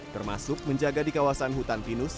termasuk menjaga di kawasan hutan pinus